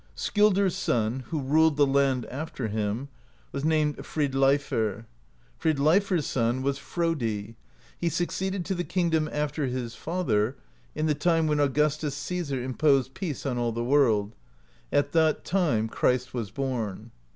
Skjoldr's son, who ruled the land after him, was named Fridleifr. Fridleifr's son was Frodi: he succeeded to the kingdom after his father, in the time when Augustus Caesar imposed peace on all the world; at that time Christ was born.